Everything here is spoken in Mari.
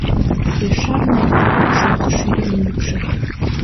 — Пеш шарнем, — шоктыш ӱдырын йӱкшӧ.